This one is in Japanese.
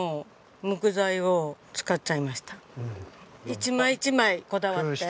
一枚一枚こだわって。